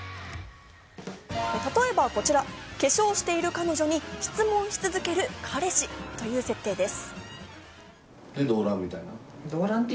例えばこちら、化粧している彼女に質問し続ける彼氏という設定です。